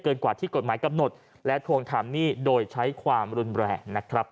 กว่าที่กฎหมายกำหนดและทวงถามหนี้โดยใช้ความรุนแรงนะครับ